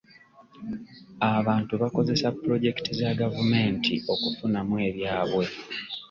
Abantu bakozesa pulojekiti za gavumenti okufunamu ebyabwe.